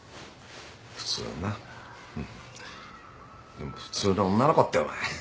でも普通の女の子ってお前。